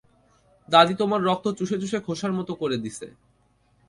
দাদী তোমার রক্ত চুষে চুষে খোসার মতো করে দিছে।